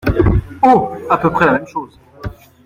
Oh ! à peu près la même chose.